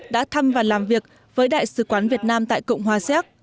đã thăm và làm việc với đại sứ quán việt nam tại cộng hòa xéc